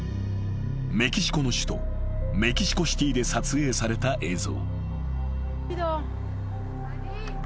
［メキシコの首都メキシコシティーで撮影された映像］